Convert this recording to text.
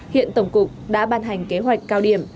hiện tổng cục đã ban hành kế hoạch cao điểm